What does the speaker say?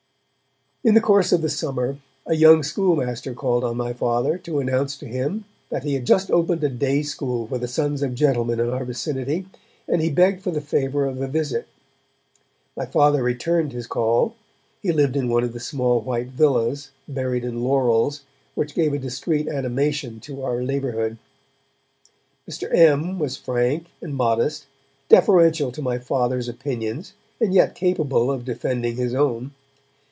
In the course of the summer, a young schoolmaster called on my Father to announce to him that he had just opened a day school for the sons of gentlemen in our vicinity, and he begged for the favour of a visit. My Father returned his call; he lived in one of the small white villas, buried in laurels, which gave a discreet animation to our neighbourhood. Mr. M. was frank and modest, deferential to my Father's opinions and yet capable of defending his own.